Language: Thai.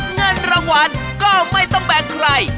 เงินรางวัลก็ไม่ต้องแบ่งใคร